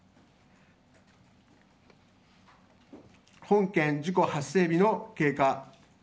本件事故発生日の経過。